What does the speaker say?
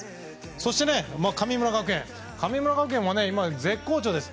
そして、神村学園も今、絶好調です。